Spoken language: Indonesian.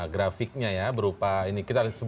grafiknya ya berupa ini